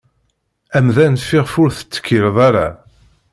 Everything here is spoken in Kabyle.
Amdan fiɣef ur tettkilleḍ ara.